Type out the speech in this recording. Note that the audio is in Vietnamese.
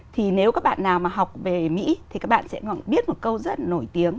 thì nếu các bạn nào mà học về mỹ thì các bạn sẽ biết một câu rất nổi tiếng